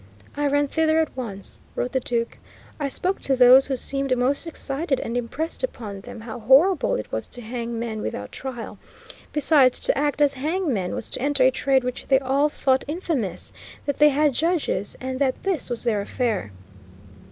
"I ran thither at once," wrote the Duke; "I spoke to those who seemed most excited and impressed upon them how horrible it was to hang men without trial; besides, to act as hangmen was to enter a trade which they all thought infamous; that they had judges, and that this was their affair.